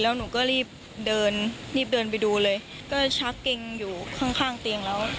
แล้วหนูก็รีบเดินรีบเดินไปดูเลยก็ชักเกงอยู่ข้างข้างเตียงแล้ว